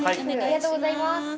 ありがとうございます。